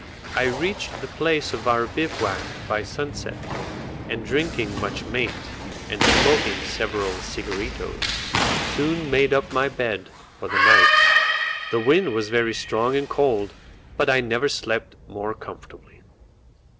I reached the place of our bivouac by sunset, and drinking much mate, and smoking several cigaritos, soon made up my bed for the night. The wind was very strong and cold, but I never slept more comfortably.